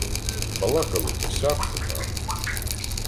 Балакали то сяк, то так.